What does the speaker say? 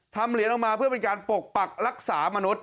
เหรียญออกมาเพื่อเป็นการปกปักรักษามนุษย